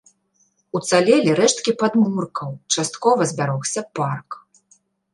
Уцалелі рэшткі падмуркаў, часткова збярогся парк.